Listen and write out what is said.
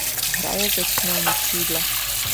Hraje většinou na křídle.